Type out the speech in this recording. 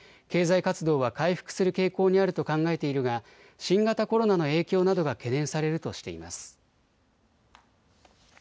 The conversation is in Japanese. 経済活動は回復する傾向にあると考えているが新型コロナの影響などが懸念されるとしています。